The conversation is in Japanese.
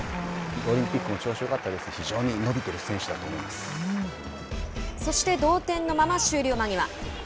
オリンピックも調子がよかったですし非常に伸びている選手だとそして、同点のまま終了間際。